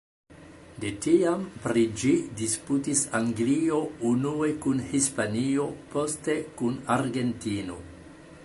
De tiam pri ĝi disputis Anglio unue kun Hispanio, poste kun Argentino.